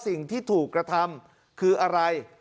สิ่งที่ถูกกระทำคืออะไร